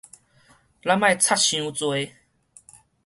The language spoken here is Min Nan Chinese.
咱莫插傷濟